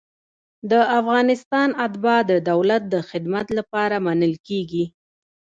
د افغانستان اتباع د دولت د خدمت لپاره منل کیږي.